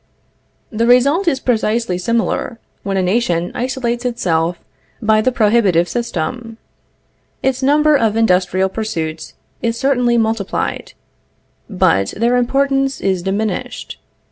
The result is precisely similar, when a nation isolates itself by the prohibitive system. Its number of industrial pursuits is certainly multiplied, but their importance is diminished.